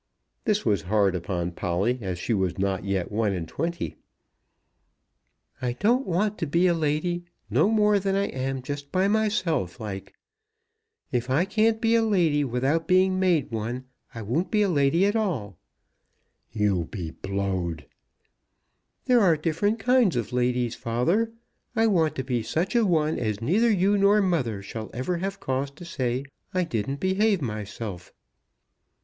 This was hard upon Polly, as she was not yet one and twenty. "I don't want to be a lady; no more than I am just by myself, like. If I can't be a lady without being made one, I won't be a lady at all." "You be blowed." "There are different kinds of ladies, father. I want to be such a one as neither you nor mother shall ever have cause to say I didn't behave myself."